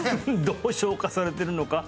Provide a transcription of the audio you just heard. どう消化されてるのか？